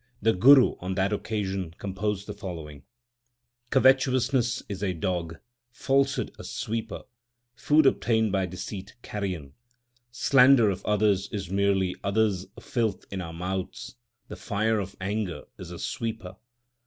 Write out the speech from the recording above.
The Guru on that occasion composed the following : Covetousness is a dog, falsehood a sweeper, food obtained by deceit carrion ; Slander of others is merely others filth in our mouths ; the fire of anger is a sweeper.